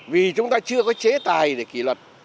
vì chúng ta chưa có chế tài để kỷ luật